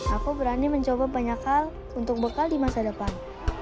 aku berani mencoba banyak hal untuk bekal di masa depan